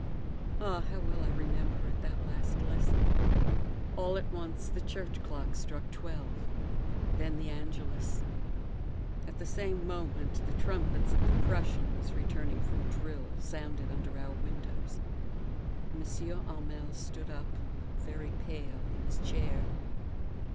Ah, how well I remember it, that last lesson! All at once the church clock struck twelve. Then the Angelus. At the same moment the trumpets of the Prussians, returning from drill, sounded under our windows. M. Hamel stood up, very pale, in his chair.